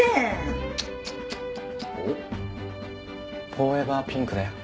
フォーエバーピンクだよ。